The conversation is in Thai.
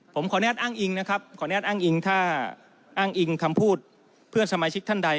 ผมขออนุญาตอ้างอิงนะครับขออนุญาตอ้างอิงถ้าอ้างอิงคำพูดเพื่อนสมาชิกท่านใด